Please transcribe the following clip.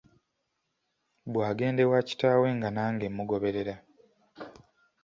Bw'agenda ewa kitaawe nga nange mugoberera.